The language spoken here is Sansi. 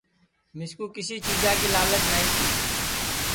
مِسکُو کسی چیجا کی لالچ نائی تی